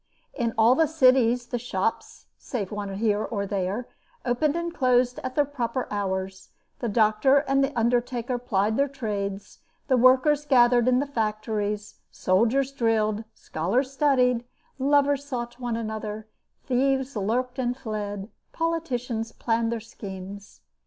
In all the cities the shops, save one here and there, opened and closed at their proper hours, the doctor and the undertaker plied their trades, the workers gathered in the factories, soldiers drilled, scholars studied, lovers sought one another, thieves lurked and fled, politicians planned their schemes.